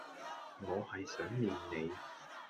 我係想念你